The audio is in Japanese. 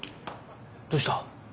どうした？